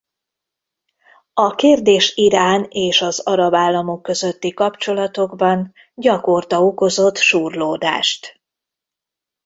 A kérdés Irán és az arab államok közötti kapcsolatokban gyakorta okozott súrlódást.